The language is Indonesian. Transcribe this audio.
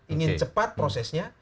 ingin cepat prosesnya